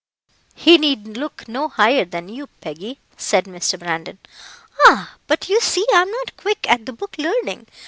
"He need look no higher than you, Peggy," said Mr. Brandon. "Ah! but you see I am not quick at the book learning.